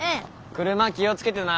車気を付けてな。